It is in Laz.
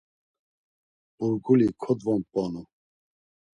Burguli kodvonp̌onu.